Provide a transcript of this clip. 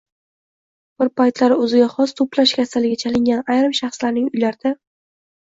Bir paytlar o‘ziga xos “to‘plash kasali”ga chalingan ayrim shaxslarning uylarida